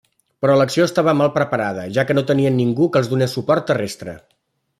Però l'acció estava mal preparada, ja que no tenien ningú que els donés suport terrestre.